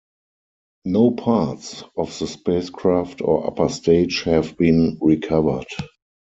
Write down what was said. No parts of the spacecraft or upper stage have been recovered.